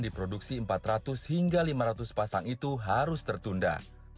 diproduksi empat ratus hingga lima ratus pasang itu harus tertunda